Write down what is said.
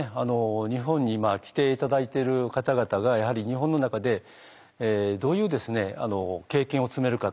日本に来て頂いてる方々がやはり日本の中でどういう経験を積めるかと。